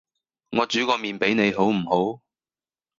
我煮個麵俾你好唔好？